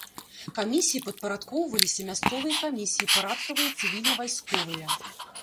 Камісіі падпарадкоўваліся мясцовыя камісіі парадкавыя цывільна-вайсковыя.